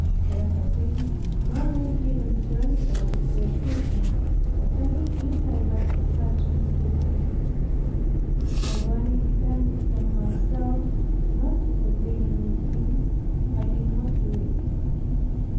There had been no room given to anybody to accuse me of any indirect attachment to him; for when it depended on myself not to continue with him, I did not do it.